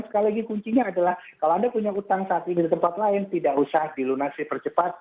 sekali lagi kuncinya adalah kalau anda punya utang saat ingin di tempat lain tidak usah dilunasi percepat